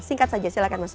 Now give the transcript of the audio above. singkat saja silahkan mas